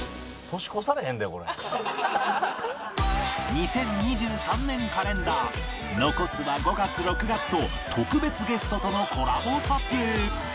２０２３年カレンダー残すは５月６月と特別ゲストとのコラボ撮影